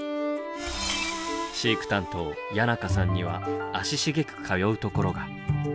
飼育担当谷仲さんには足しげく通うところが。